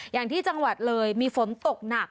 อย่างที่จังหวัดเลยมีฝนตกหนัก